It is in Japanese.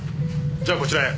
じゃあこちらへ。